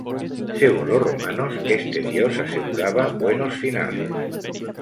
Según los romanos, este dios aseguraba buenos finales.